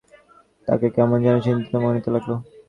তাঁকে কেমন যেন চিন্তিত মনে হতে লাগল।